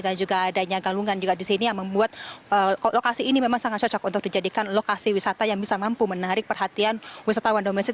dan juga adanya galungan juga di sini yang membuat lokasi ini memang sangat cocok untuk dijadikan lokasi wisata yang bisa mampu menarik perhatian wisatawan domestik